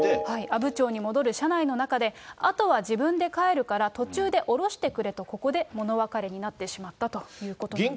阿武町に戻る車内の中であとは自分で帰るから途中で降ろしてくれと、ここで物別れになってしまったということです。